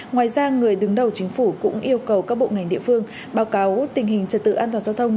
ngoài ra người đứng đầu chính phủ cũng yêu cầu các bộ ngành địa phương báo cáo tình hình trật tự an toàn giao thông